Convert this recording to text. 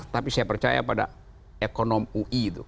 tapi saya percaya pada ekonom ui itu